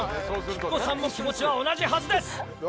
喜久子さんも気持ちは同じはずです。